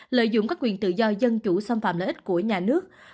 lợi dụng các quyền tự do dân chủ xâm phạm lợi ích của nhà nước